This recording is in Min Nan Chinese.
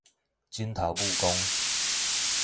指頭拇公